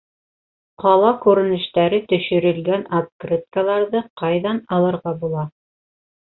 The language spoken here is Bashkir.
Ҡала күренештәре төшөрөлгән открыткаларҙы ҡайҙан алырға була?